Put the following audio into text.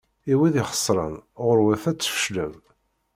I wid ixesren, ɣur-wat ad tfeclem!